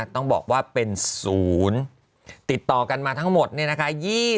ต้องบอกว่าเป็นศูนย์ติดต่อกันมาทั้งหมดเนี่ยนะคะ